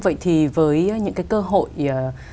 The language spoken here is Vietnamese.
vậy thì với những cái cơ hội